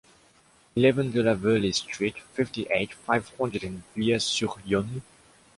Eleven de la Verly street, fifty-eight, five hundred in Villiers-sur-Yonne